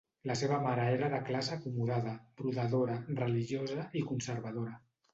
La seva mare era de classe acomodada, brodadora, religiosa i conservadora.